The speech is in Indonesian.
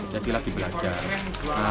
jadi lagi belajar